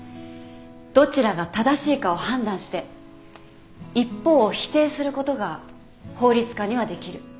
どちらが正しいかを判断して一方を否定することが法律家にはできる。